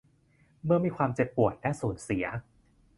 เมื่อมีความเจ็บปวดและสูญเสีย